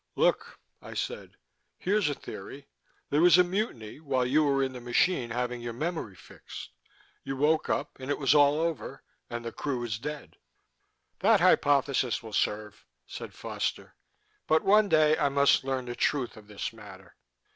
"Look," I said. "Here's a theory: there was a mutiny, while you were in the machine having your memory fixed. You woke up and it was all over and the crew was dead." "That hypothesis will serve," said Foster. "But one day I must learn the truth of this matter."